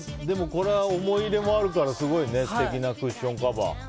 でも、これは思い入れもあるからすごい素敵なクッションカバー。